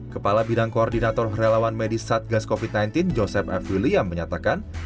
kepala bidang koordinator relawan medis satgas covid sembilan belas joseph f william menyatakan